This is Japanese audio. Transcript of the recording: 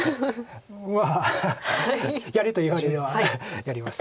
まあやれと言われればやります。